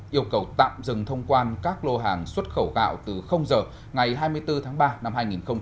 yêu cầu tạm dừng thông quan các lô hàng xuất khẩu gạo từ giờ ngày hai mươi bốn tháng ba năm hai nghìn hai mươi